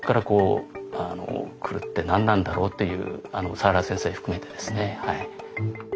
佐原先生含めてですねはい。